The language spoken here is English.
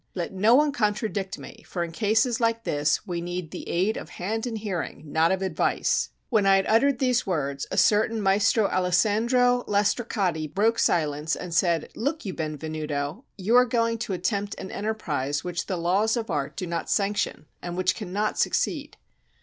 Let no one contradict me, for in cases like this we need the aid of hand and hearing, not of advice." When I had uttered these words, a certain Maestro Alessandro Lastricati broke silence and said, "Look you, Benvenuto, you are going to attempt an enterprise which the laws of art do not sanction, and which cannot succeed."